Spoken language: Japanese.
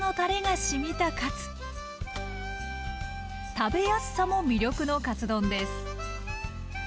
食べやすさも魅力のカツ丼です。